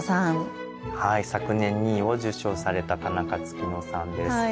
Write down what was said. はい昨年２位を受賞された田中月乃さんです。